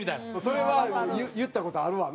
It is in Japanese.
それは言った事あるわな。